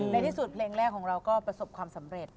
ในที่สุดเพลงแรกของเราก็ประสบความสำเร็จ